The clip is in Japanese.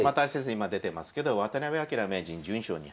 今出てますけど渡辺明名人１２勝２敗。